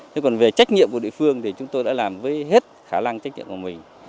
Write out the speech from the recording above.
thế còn về trách nhiệm của địa phương thì chúng tôi đã làm với hết khả năng trách nhiệm của mình